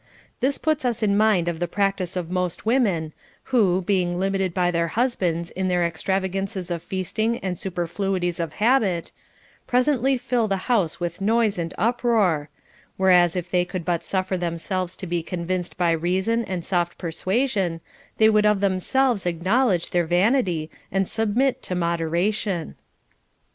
This puts us in mind of the practice of most women, who, being limited by their husbands in their extrava gances of feasting and superfluities of habit, presently fill the house with noise and uproar ; whereas, if they would but suffer themselves to be convinced by reason and soft persuasion, they would of themselves acknowledge their vanity and submit to moderation.